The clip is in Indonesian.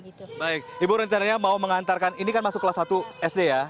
baik ibu rencananya mau mengantarkan ini kan masuk kelas satu sd ya